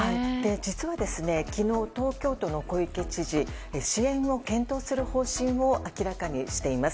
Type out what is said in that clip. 実は昨日、東京都の小池知事支援を検討する方針を明らかにしています。